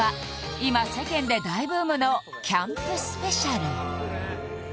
今世間で大ブームのキャンプスペシャル！